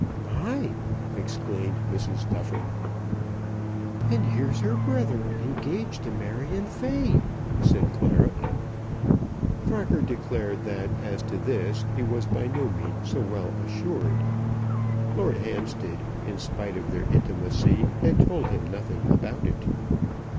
"My!" exclaimed Mrs. Duffer. "And here's her brother engaged to Marion Fay," said Clara. Crocker declared that as to this he was by no means so well assured. Lord Hampstead in spite of their intimacy had told him nothing about it.